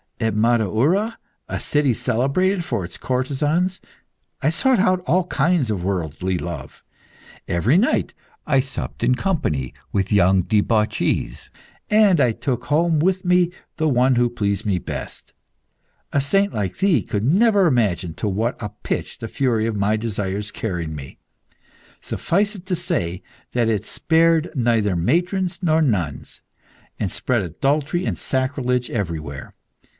At Madaura, a city celebrated for its courtesans, I sought out all kinds of worldly love. Every night I supped in company with young debauchees and female flute players, and I took home with me the one who pleased me the best. A saint like thee could never imagine to what a pitch the fury of my desires carried me. Suffice it to say that it spared neither matrons nor nuns, and spread adultery and sacrilege everywhere.